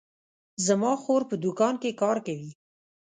زما خور په دوکان کې کار کوي